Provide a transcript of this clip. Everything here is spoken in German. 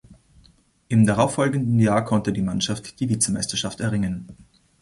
Im darauffolgenden Jahr konnte die Mannschaft die Vizemeisterschaft erringen.